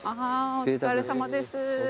お疲れさまです。